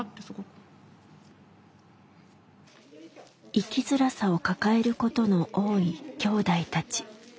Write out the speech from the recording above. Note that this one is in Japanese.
生きづらさを抱えることの多いきょうだいたち。